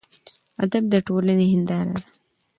ادب د ټولنې هینداره ده.